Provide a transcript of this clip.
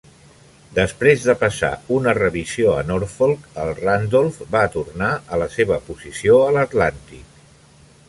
Després de passar una revisió a Norfolk, el Randolph va tornar a la seva posició a l'Atlàntic.